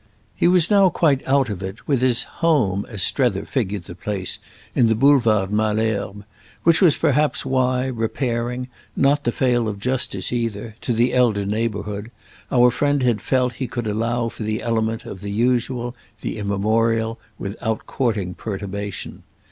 He was now quite out of it, with his "home," as Strether figured the place, in the Boulevard Malesherbes, now; which was perhaps why, repairing, not to fail of justice either, to the elder neighbourhood, our friend had felt he could allow for the element of the usual, the immemorial, without courting perturbation.